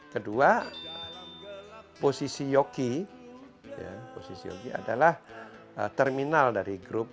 kedua posisi yoki adalah terminal dari grup